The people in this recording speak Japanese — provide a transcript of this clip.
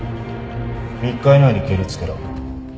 ３日以内にけりをつけろ。